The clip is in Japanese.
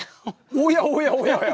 おやおやおやおや。